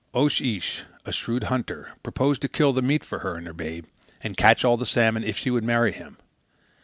Oche Ish, a shrewd hunter, proposed to kill the meat for her and her babe, and catch the salmon, if she would marry him.